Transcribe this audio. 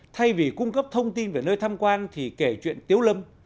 thay vì cung cấp thông tin về nơi tham quan thì kể chuyện tiếu lâm